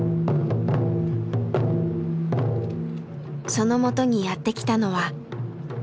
そのもとにやって来たのは。